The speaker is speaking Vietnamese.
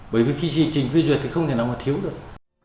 bởi vì khi trình phê duyệt thì không thể nào mà thiếu được